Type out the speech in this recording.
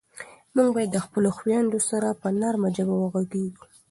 موږ باید له خپلو خویندو سره په نرمه ژبه غږېږو.